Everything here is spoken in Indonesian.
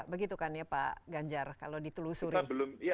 begitukan ya pak ganjar kalau ditelusuri